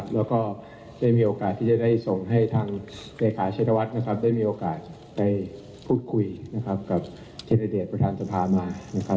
แล้วก็ได้มีโอกาสที่จะได้ส่งให้ทางเจคาเชธวัฒน์ได้มีโอกาสได้พูดคุยกับเชนเดชน์ประธานสภามา